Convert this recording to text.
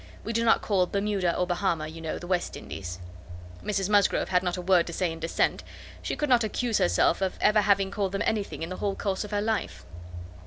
We do not call Bermuda or Bahama, you know, the West Indies." Mrs Musgrove had not a word to say in dissent; she could not accuse herself of having ever called them anything in the whole course of her life.